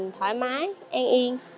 thoải mái an yên